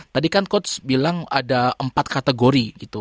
tadi kan coach bilang ada empat kategori gitu